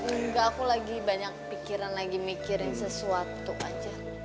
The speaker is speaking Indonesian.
enggak aku lagi banyak pikiran lagi mikirin sesuatu aja